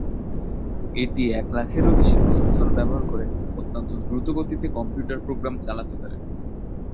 এটি এক লাখেরও বেশি প্রসেসর ব্যবহার করে অত্যন্ত দ্রুত গতিতে কম্পিউটার প্রোগ্রাম চালাতে পারে।